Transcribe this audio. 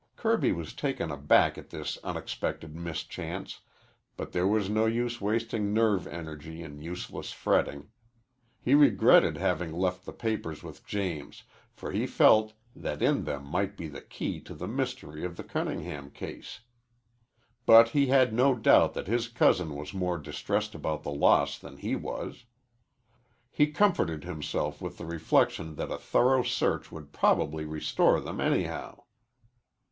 Kirby was taken aback at this unexpected mischance, but there was no use wasting nerve energy in useless fretting. He regretted having left the papers with James, for he felt that in them might be the key to the mystery of the Cunningham case. But he had no doubt that his cousin was more distressed about the loss than he was. He comforted himself with the reflection that a thorough search would probably restore them, anyhow.